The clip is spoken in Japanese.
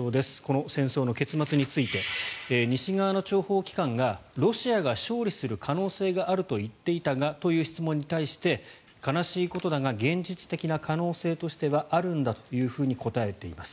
この戦争の結末について西側の諜報機関がロシアが勝利する可能性があると言っていたがという質問に対して悲しいことだが現実的な可能性としてはあるんだというふうに答えています。